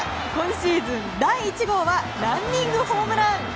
今シーズン第１号はランニングホームラン！